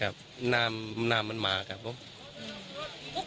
กับการไม้ก้องกินไปแล้วนะครับอืมก้องกินครับอืมแล้วมีอะไรอีกไหมคะ